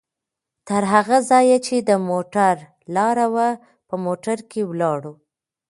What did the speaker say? تر هغه ځایه چې د موټر لاره وه، په موټر کې ولاړو؛